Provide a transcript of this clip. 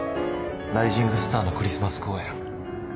ライジングスターのクリスマス公演